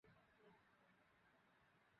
কিন্তু নদীটা পার হতে যেয়ে ঝামেলায় পড়ে গেলাম।